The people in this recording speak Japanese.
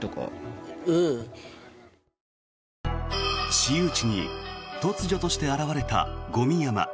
私有地に突如として現れたゴミ山。